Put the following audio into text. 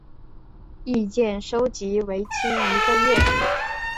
意见收集为期一个月。